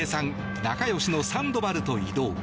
仲よしのサンドバルと移動。